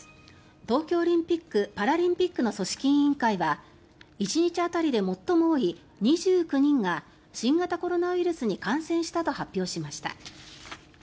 東京オリンピック・パラリンピックの組織委員会は１日当たりで最も多い２９人が新型コロナウイルスに感染したと発表しました。